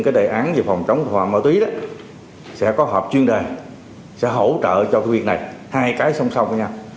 chống thỏa mở túy sẽ có hợp chuyên đề sẽ hỗ trợ cho việc này hai cái song song